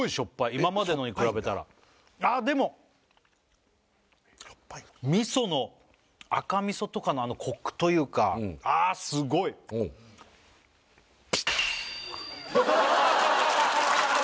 今までのに比べたらあでも味噌の赤味噌とかのあのコクというかあすごいピッ！